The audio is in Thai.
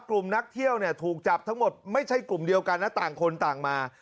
นักเที่ยวเนี่ยถูกจับทั้งหมดไม่ใช่กลุ่มเดียวกันนะต่างคนต่างมา